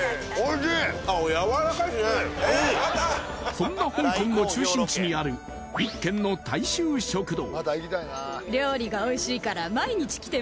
そんな香港の中心地にある一軒の大衆食堂。